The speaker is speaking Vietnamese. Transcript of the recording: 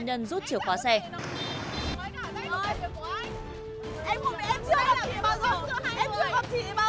không phải không phải chị ạ